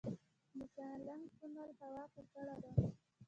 د سالنګ تونل هوا ککړه ده